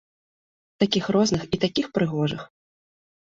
Такіх розных і такіх прыгожых.